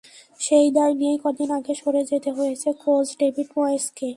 সেই দায় নিয়েই কদিন আগে সরে যেতে হয়েছে কোচ ডেভিড ময়েসকে।